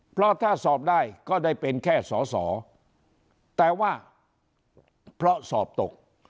เพราะถ้าสอบได้ก็ได้เป็นแค่สอสอแต่ว่าเพราะสอบตก